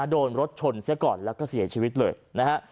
โดนรถชนเสียก่อนแล้วก็เสียชีวิตเลยนะฮะ